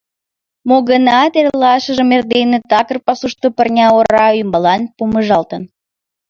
Мо-гынат, эрлашыжым эрдене такыр пасушто пырня ора ӱмбалан помыжалтын.